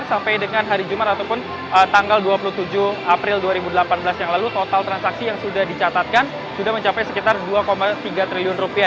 di tahun ini pihak dari diandra selaku penyelenggara dari ims ini menargetkan total transaksi mencapai tiga tiga triliun rupiah